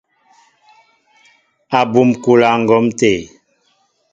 Abum kúla ŋgǒm té.